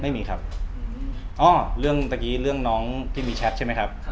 ไม่มีครับอ้อเรื่องตะกี้เรื่องน้องที่มีแชทใช่ไหมครับ